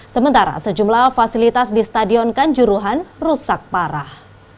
sementara sejumlah fasilitas di stadion kanjuruhan rusak parah